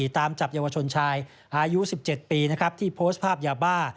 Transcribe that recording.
ตามจับเยาวชนชายอายุ๑๗ปีนะครับที่โพสต์ภาพยาบ้า